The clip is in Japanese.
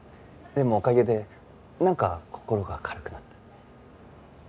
でもおかげでなんか心が軽くなった。